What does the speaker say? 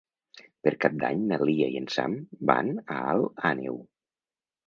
Per Cap d'Any na Lia i en Sam van a Alt Àneu.